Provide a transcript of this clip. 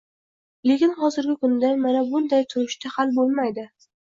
Lekin hozirgi kunda, mana bunday turishda hal bo‘lmaydi